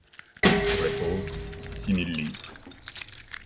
Pour les pauvres : six mille livres.